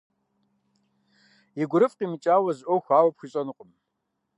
И гурыфӏ къимыкӏауэ зы ӏуэху ауэ пхуищӏэнукъым.